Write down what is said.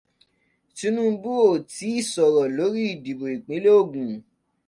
Tinúbu ò tíì sọ̀rọ̀ lórí ìdìbò ìpínlẹ̀ Ògùn.